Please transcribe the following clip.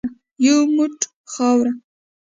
یو موټ خاوره .